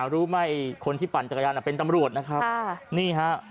รู้ไหมคนที่ปั่นจักรยานเป็นตำรวจ